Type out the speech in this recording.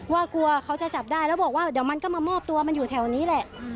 กลัวเขาจะจับได้แล้วบอกว่าเดี๋ยวมันก็มามอบตัวมันอยู่แถวนี้แหละ